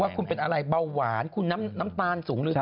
ว่าคุณเป็นอะไรเบาหวานคุณน้ำตาลสูง